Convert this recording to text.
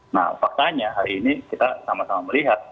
nah faktanya hari ini kita sama sama melihat